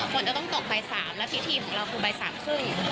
ฝนจะต้องตกใบ๓และพิธีของเราคือใบ๓ซึ่ง